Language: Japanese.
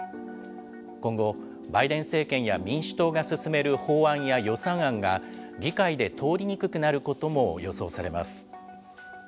今後、バイデン政権や民主党が進める法案や予算案が議会で通りにくくなることも予想されます。